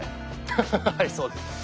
ハハハッはいそうです。